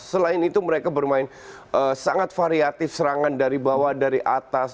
selain itu mereka bermain sangat variatif serangan dari bawah dari atas